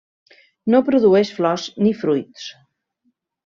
No produeix flors ni fruits.